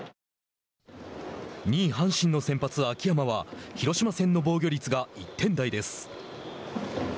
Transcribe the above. ２位阪神の先発、秋山は広島戦の防御率が１点台です。